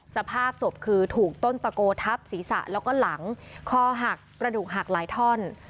สภาพศพคือถูกต้นตะโกทับศีรษะแล้วก็หลังคอหักกระดูกหักหลายท่อน